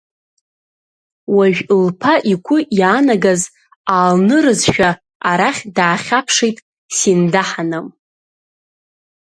Уажә лԥа игәы иаанагаз аалнырызшәа, арахь даахьаԥшит Синда-ҳаным.